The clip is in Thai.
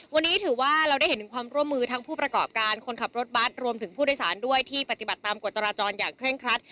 วันนี้ถือว่าเราได้เห็นถึงความร่วมมือทั้งผู้ประกอบการคนขับรถบัตรรวมถึงผู้โดยสารด้วยที่ปฏิบัติตามกฎจราจรอย่างเคร่งครัด